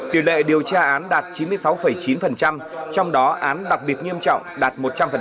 tỷ lệ điều tra án đạt chín mươi sáu chín trong đó án đặc biệt nghiêm trọng đạt một trăm linh